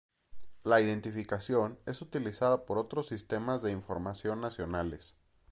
La identificación es utilizada por otros sistemas de información nacionales.